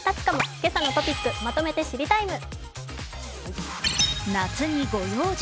「けさのトピックまとめて知りＴＩＭＥ，」。